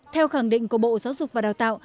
theo khẳng định của bộ giáo dục và đào tạo